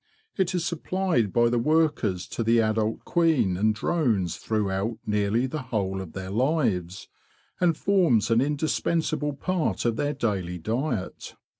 It is supplied by the workers to the adult queen and drones throughout nearly the whole of their lives, and forms an indis pensable part of their daily diet.